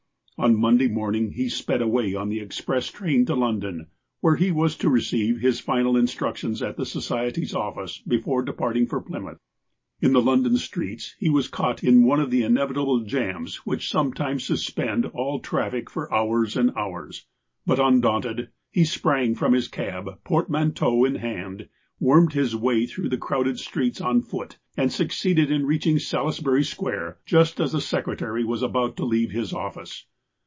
On Monday morning he sped away on the express train to Loudon, where he was to receive his final instructions at the Society's office before departing for Plymouth. In the London streets he was caught in one of the in evitable jams which sometimes suspend all traffic for hours and hours. But, undaunted, he sprang from his cab, portmanteau in hand, wormed his way through the crowded st rects on foot, and succeeded in reaching Salis bury Square just as the secretary was about to leave his office.